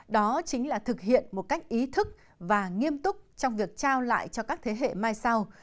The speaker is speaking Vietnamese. đó chính là thực hiện một cách ý thức và nghiêm túc trong việc trao lại cho các thế hệ mai sau